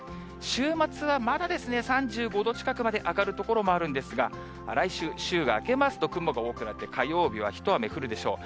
週末はまだですね、３５度近くまで上がる所もあるんですが、来週、週が明けますと、雲が多くなって、火曜日は一雨降るでしょう。